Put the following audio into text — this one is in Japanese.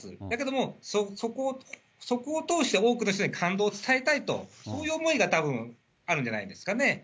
だけれども、そこを通して、多くの人に感動を伝えたいと、そういう思いがたぶん、あるんじゃないですかね。